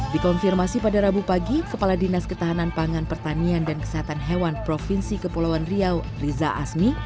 dikonfirmasi pada rabu pagi kepala dinas ketahanan pangan pertanian dan kesehatan hewan provinsi kepulauan riau riza asmi